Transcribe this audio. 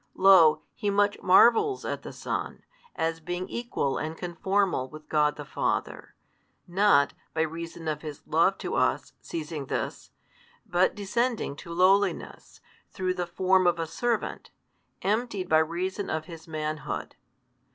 Lo, he much marvels at the Son, as being Equal and Con formal |140 with God the Father, not, by reason of His Love to us, seizing this, but descending to lowliness, through the Form of a servant, emptied by reason of His Manhood.